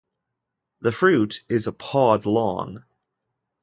The fruit is a pod long.